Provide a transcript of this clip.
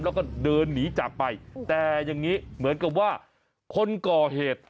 แล้วก็เดินหนีจากไปแต่อย่างนี้เหมือนกับว่าคนก่อเหตุ